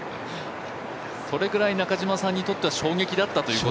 それぐらい中嶋さんにとっては衝撃だったと。